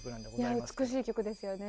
いや美しい曲ですよね